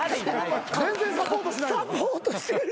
サポートしてるやろ。